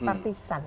partisan kan gitu